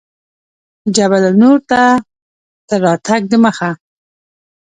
جبل النور ته تر راتګ دمخه.